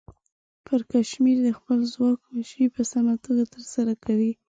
پرکمشر د خپل ځواک مشري په سمه توګه ترسره کوي.